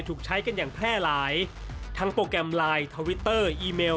ถูกใช้กันอย่างแพร่หลายทั้งโปรแกรมไลน์ทวิตเตอร์อีเมล